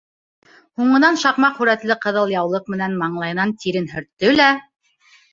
Һуңынан шаҡмаҡ һүрәтле ҡыҙыл яулыҡ менән маңлайынан тирен һөрттө лә: